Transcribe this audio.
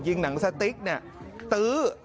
ยิงหนังสติ๊กนี่ตื้อ